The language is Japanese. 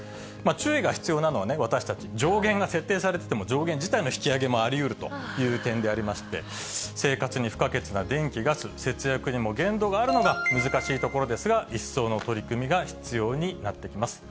注意が必要なのはね、私たち、上限が設定されてても、上限自体の引き上げもありうるという点でありまして、生活に不可欠な電気、ガス、節約にも限度があるのが難しいところですが、一層の取り組みが必要になってきます。